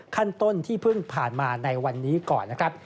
ขั้นต้นที่เพิ่งผ่านมาในวันนี้ก่อนนะครับ